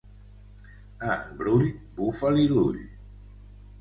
A en Brull, bufa-li l'ull.